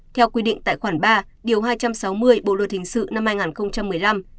theo quy định tại khoản ba điều hai trăm sáu mươi bộ luật hình sự năm hai nghìn một mươi năm